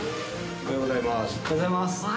おはようございます。